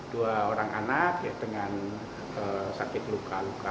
dua orang anak dengan sakit luka luka